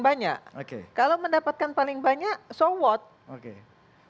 banyak oke kalau mendapatkan paling banyak sawot oke kok kita harus protes enggak gue yang paling